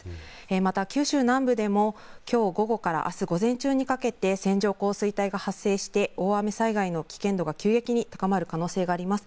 また九州南部でもきょう午後からあす午前中にかけて線状降水帯が発生して大雨災害の危険度が急激に高まる可能性があります。